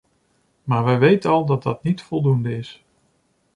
Maar wij weten al dat dat niet voldoende is.